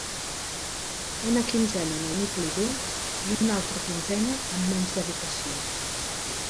Una quinzena en el nucli dur, i una altra quinzena amb menys dedicació.